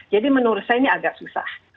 jadi menurut saya ini agak susah